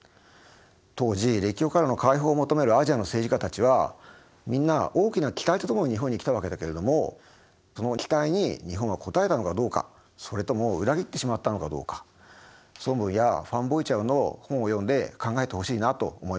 当時列強からの解放を求めるアジアの政治家たちはみんな大きな期待とともに日本に来たわけだけれどもその期待に日本は応えたのかどうかそれとも裏切ってしまったのかどうか孫文やファン・ボイ・チャウの本を読んで考えてほしいなと思います。